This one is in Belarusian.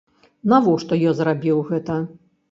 Навошта я зрабіў гэта?